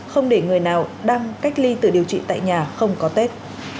không để người nào đang cách ly tự điều trị tại nhà không có tết